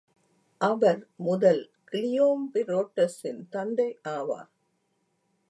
அவர் முதல் கிளியோம்பிரோட்டஸின் தந்தை ஆவார்.